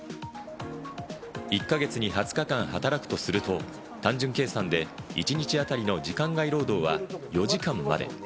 １か月に２０日間働くとすると、単純計算で一日あたりの時間外労働は、４時間まで。